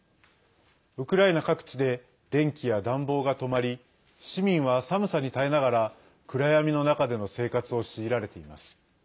ウクライナ各地で電気や暖房が止まり市民は寒さに耐えながら暗闇の中での生活を強いられています。